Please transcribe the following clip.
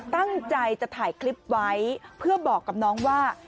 ตั้งใจจะถ่ายคลิปไว้เพื่อบอกกับน้องว่า